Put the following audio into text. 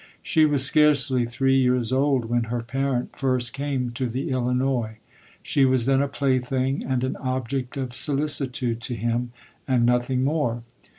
She was scarcely three years old when her parent first came to the Illinois. She was then a play thing and an object of solicitude to him, and nothing more.